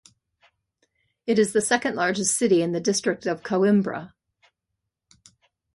It is the second largest city in the district of Coimbra.